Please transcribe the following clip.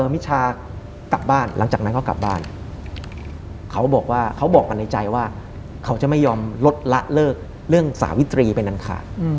มิชากลับบ้านหลังจากนั้นเขากลับบ้านเขาบอกในใจว่าเขาจะไม่ยอมลดละเลิกเรื่องสหวิตรีไปนั้นค่ะ